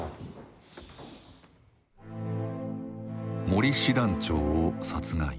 森師団長を殺害。